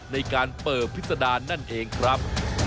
ในการเปิดพิษดารนั่นเองครับ